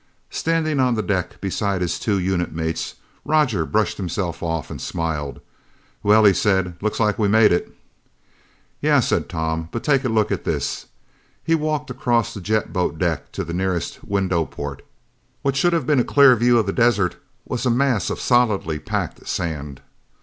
Standing on the deck beside his two unit mates, Roger brushed himself off and smiled. "Well," he said, "looks like we made it!" "Yeah," said Tom, "but take a look at this!" He walked across the jet boat deck to the nearest window port. What should have been a clear view of the desert was a mass of solidly packed sand.